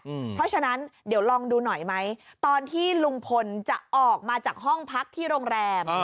เพราะฉะนั้นเดี๋ยวลองดูหน่อยไหมตอนที่ลุงพลจะออกมาจากห้องพักที่โรงแรม